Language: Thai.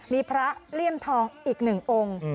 มีพระเลี่ยมทองอีก๑องค์